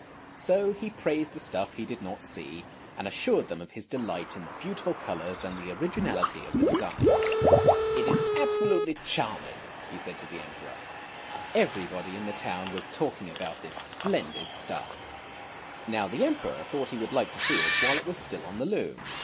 So he praised the stuff he did not see, and assured them of his delight in the beautiful colours and the originality of the design. "It is absolutely charming! " he said to the Emperor. Everybody in the town was talking about this splendid stuff. Now the Emperor thought he would like to see it while it was still on the loom.